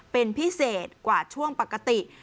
เป็นพิเศษกว่าช่วงปกติ